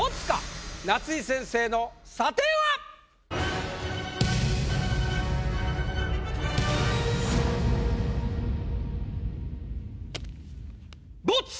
夏井先生の査定は⁉ボツ！